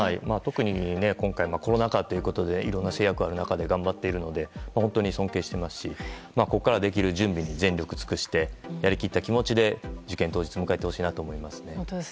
特に今回コロナ禍ということでいろんな制約がある中で頑張っているので本当に尊敬していますしここからできる準備に全力を尽くしてやり切った気持ちで受験当日を迎えてほしいです。